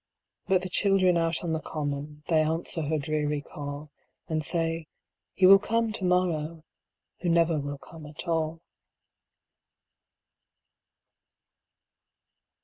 But the children out on the common They answer her dreary call, And say: "He will come to morrow!" Who never will come at all.